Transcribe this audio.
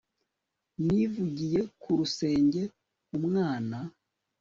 nivugiye ku rusenge, umwana